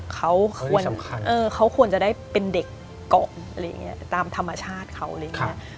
เขาควรจะได้เป็นเด็กเกาะอะไรอย่างนี้ตามธรรมชาติเขาอะไรอย่างนี้